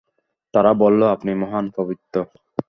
তারা বলল, আপনি মহান, পবিত্র।